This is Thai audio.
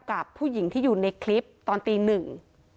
กับผู้หญิงที่อยู่ในคลิปตอนตีหนึ่ง